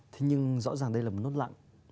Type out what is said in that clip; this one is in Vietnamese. thế nhưng rõ ràng đây là một nốt lặng